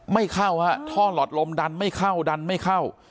ไม่เข้าฮะท่อหลอดลมดันไม่เข้าดันไม่เข้า